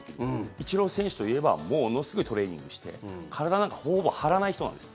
イチロー選手といえばものすごいトレーニングして体なんかほぼ張らない人なんです。